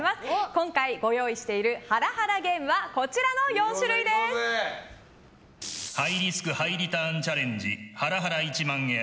今回ご用意しているハラハラゲームハイリスク・ハイリターンチャレンジハラハラ１万円。